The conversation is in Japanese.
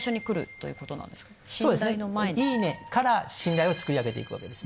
そうですね「いいね」から信頼をつくり上げて行くわけです。